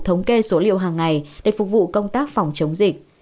thống kê số liệu hàng ngày để phục vụ công tác phòng chống dịch